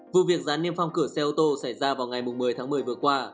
vụ việc gián niêm phong cửa xe ô tô xảy ra vào ngày một mươi tháng một mươi vừa qua